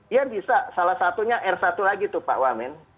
ya bisa salah satunya r satu lagi tuh pak wamen